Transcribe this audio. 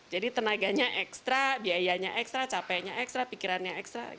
jadi tenaganya ekstra biayanya ekstra capainya ekstra pikirannya ekstra